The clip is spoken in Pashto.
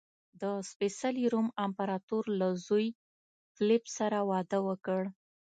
د سپېڅلي روم امپراتور له زوی فلیپ سره واده وکړ.